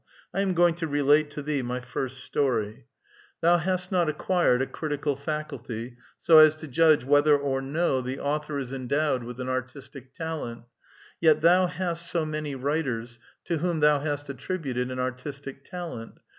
'' I am going to relate to thee my first story. Thou A VITAL QUESTION. 9 hast not acquired a critical faculty, so as to judge whether or DO the author is endowed with an artistic talent (jet thou hast so many writers, to whom thou hast attributed an artis tic talent